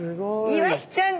イワシちゃん